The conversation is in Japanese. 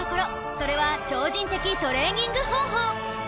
それは超人的トレーニング方法